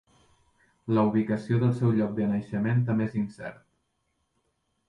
La ubicació del seu lloc de naixement també és incert.